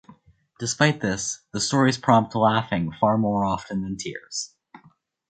Despite this, the stories prompt laughing far more often than tears.